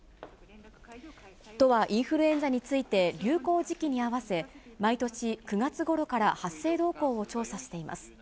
都はインフルエンザについて、流行時期に合わせ、毎年９月ごろから発生動向を調査しています。